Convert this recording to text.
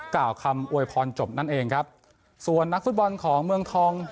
กล่าวคำอวยพรจบนั่นเองครับส่วนนักฟุตบอลของเมืองทอง